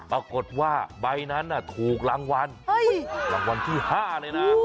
ปรากฏว่าใบนั้นถูกรางวัลรางวัลที่๕เลยนะ